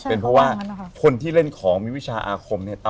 เป็นเพราะว่าคนที่เล่นของมีวิชาอาคมเนี่ย